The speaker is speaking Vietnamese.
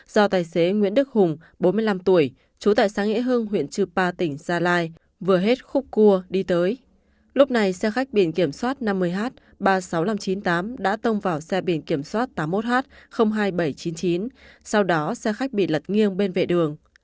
xe khách biển kiểm soát năm mươi h ba mươi sáu nghìn năm trăm chín mươi tám đã tông vào xe biển kiểm soát tám mươi một h hai nghìn bảy trăm chín mươi chín sau đó xe khách bị lật nghiêng bên vệ đường